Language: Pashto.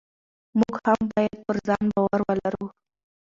موږ هم باید پر ځان باور ولرو.